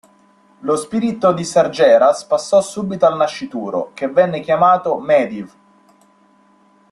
Lo spirito di Sargeras passò subito al nascituro, che venne chiamato Medivh.